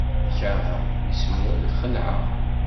Kerheɣ isura n lxelɛa.